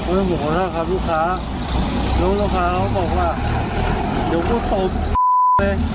โอ้โหขอโทษครับลูกค้าแล้วลูกค้าเขาบอกว่าเดี๋ยวพูดตอบ